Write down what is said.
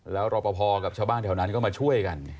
แล้วรอปภกับชาวบ้านแถวนั้นก็มาช่วยกัน